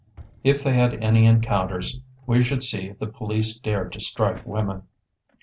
If they had any encounters, we should see if the police dared to strike women.